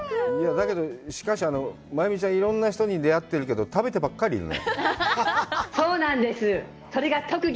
だけど、しかし真由美ちゃん、いろんな人に出会ってるけど、食べてばっかりいるね。